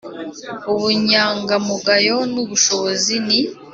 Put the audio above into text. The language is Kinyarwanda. Ubunyangamugayo n’ubushobozi ni: